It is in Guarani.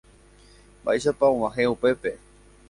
Mba'éichapa og̃uahẽ upépe.